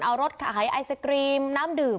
เอารถขายไอศกรีมน้ำดื่ม